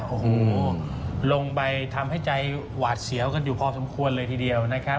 โอ้โหลงไปทำให้ใจหวาดเสียวกันอยู่พอสมควรเลยทีเดียวนะครับ